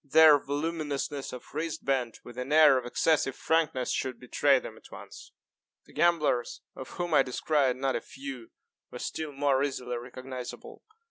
Their voluminousness of wristband, with an air of excessive frankness, should betray them at once. The gamblers, of whom I descried not a few, were still more easily recognisable.